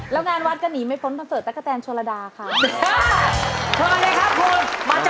แล้วงานวัดก็หนีไม่พ้นคอนเสิร์ตตะกะแตนโชลดาค่ะ